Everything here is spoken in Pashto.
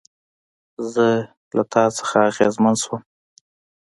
زه له تا څخه اغېزمن شوم